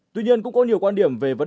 tuy nhiên cũng có nhiều quan điểm về vấn đề